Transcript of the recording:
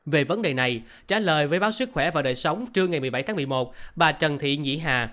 về vấn đề này trả lời với báo sức khỏe và đời sống trưa ngày một mươi bảy tháng một mươi một bà trần thị nhị hà